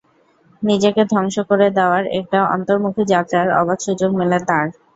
নিজেকে ধ্বংস করে দেওয়ার একটা অন্তর্মুখী যাত্রার অবাধ সুযোগ মেলে তাঁর।